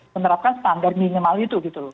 menerapkan standar minimal itu